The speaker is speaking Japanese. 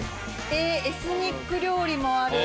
エスニック料理もある。